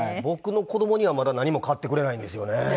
僕の子供にはまだ何も買ってくれないんですよね。